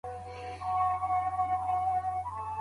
د نورو درناوی په ښوونځي کي مهم قانون دی.